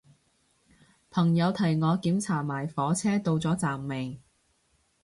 朋友提我檢查埋火車到咗站未